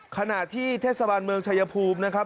ขณะที่เทศบาลเมืองชายภูมินะครับ